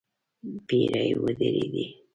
پيرې ودرېدې.